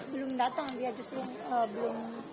belum datang dia justru belum